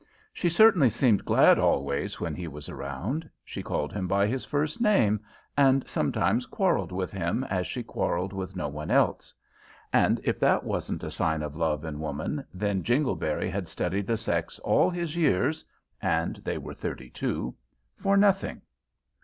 She certainly seemed glad always when he was about; she called him by his first name, and sometimes quarrelled with him as she quarrelled with no one else, and if that wasn't a sign of love in woman, then Jingleberry had studied the sex all his years and they were thirty two for nothing.